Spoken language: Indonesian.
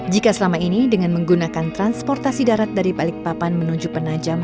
jika selama ini dengan menggunakan transportasi darat dari balikpapan menuju penajam